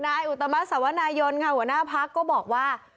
อุตมะสวนายนค่ะหัวหน้าพักก็บอกว่า